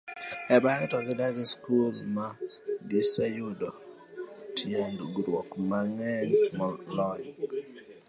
e klas, to bang'e gidok e skul ma giseyudo tiegruok maonge lony